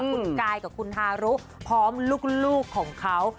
คุณกายกับคุณฮารุพร้อมลูกของเขา